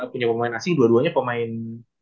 punya pemain asing dua duanya pemain